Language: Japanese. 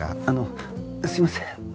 あのすみません。